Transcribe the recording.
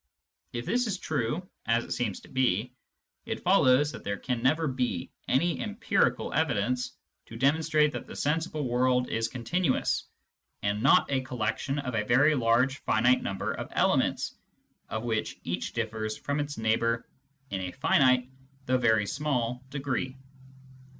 If this is true, as it seems to be, it follows that there can never be any empirical evidence to demonstrate that the sensible world is continuous, and not a collection of a very large finite number of elements of which each differs from its neighbour in a finite though very small degree.